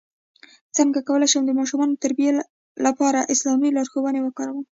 څنګه کولی شم د ماشومانو د تربیې لپاره اسلامي لارښوونې وکاروم